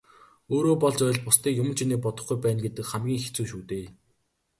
Өөрөө болж байвал бусдыг юман чинээ бодохгүй байна гэдэг хамгийн хэцүү шүү дээ.